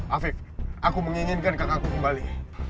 afif aku menginginkan kakakku kembali